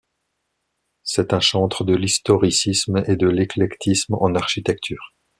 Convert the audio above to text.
C'est un chantre de l'historicisme et de l'éclectisme en architecture.